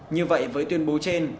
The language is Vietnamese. như vậy với tuyên bố trên